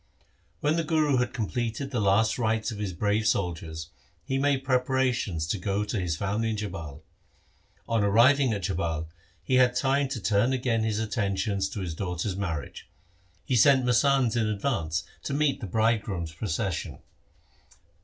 When the Guru had completed the last rites of his brave soldiers, he made preparations to go to his family in Jhabal. On arriving at Jhabal he had time to again turn his attention to his daughter's marriage. He sent masands in advance to meet the bridegroom's 94 THE SIKH RELIGION procession.